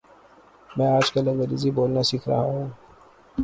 میں آج کل انگریزی بولنا سیکھ رہا ہوں